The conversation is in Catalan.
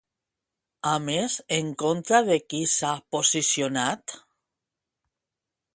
A més, en contra de qui s'ha posicionat?